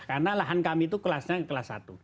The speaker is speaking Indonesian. karena lahan kami itu kelasnya kelas satu